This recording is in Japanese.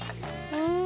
うん。